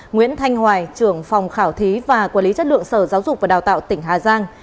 nguyễn thanh hoài trưởng phòng khảo thí và quản lý chất lượng sở giáo dục và đào tạo tỉnh hà giang